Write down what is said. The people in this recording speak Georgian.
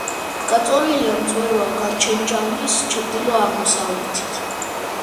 გაწოლილია მწვერვალ კანჩენჯანგის ჩრდილო-აღმოსავლეთით.